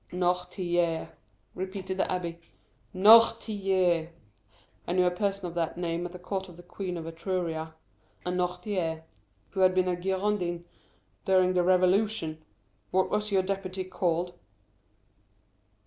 "Noirtier!" repeated the abbé; "Noirtier!—I knew a person of that name at the court of the Queen of Etruria,—a Noirtier, who had been a Girondin during the Revolution! What was your deputy called?"